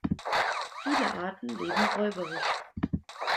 Viele Arten leben räuberisch.